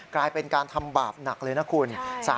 กลายเป็นการทำบาปหนักเลยนะคุณ